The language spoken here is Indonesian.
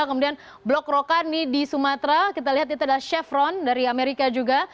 kemudian blok rokan ini di sumatra kita lihat itu ada chevron dari amerika juga